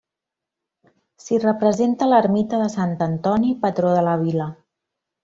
S'hi representa l'ermita de Sant Antoni, patró de la vila.